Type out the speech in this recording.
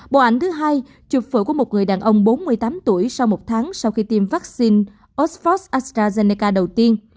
bộ ảnh thứ hai chụp phổi của một người đàn ông bốn mươi tám tuổi sau một tháng sau khi tiêm vaccine osfod astrazeneca đầu tiên